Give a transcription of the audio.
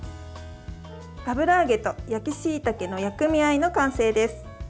油揚げと焼きしいたけの薬味あえの完成です。